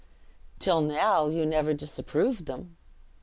"Till now, you never disapproved them."